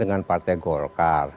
dengan partai golkar